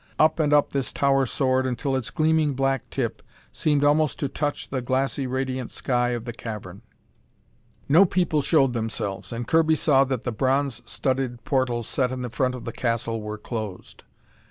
Up and up this tower soared until its gleaming black tip seemed almost to touch the glassy radiant sky of the cavern. No people showed themselves, and Kirby saw that the bronze studded portals set in the front of the castle were closed.